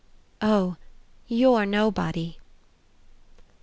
"Oh you're nobody!"